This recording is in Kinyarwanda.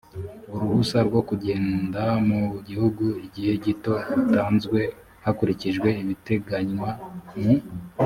uruhusa rwo kugenda mu gihugu igihe gito rutanzwe hakurikijwe ibiteganywa mu